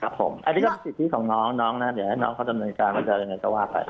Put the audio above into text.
ครับผมอันนี้ก็เป็นสิทธิของน้องนะเดี๋ยวให้น้องเขาทำร้ายการก็จะว่าไป